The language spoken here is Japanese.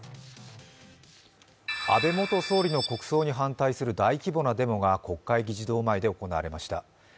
安倍元総理の国葬に反対する大規模なデモが国会議事堂前で行われました。